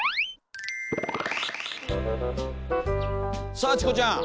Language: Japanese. さあチコちゃん。